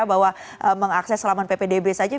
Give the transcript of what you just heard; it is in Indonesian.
bahwa mengakses selama ppdb saja